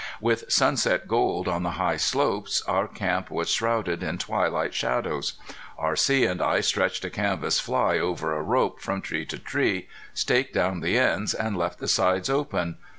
With sunset gold on the high slopes our camp was shrouded in twilight shadows. R.C. and I stretched a canvas fly over a rope from tree to tree, staked down the ends, and left the sides open.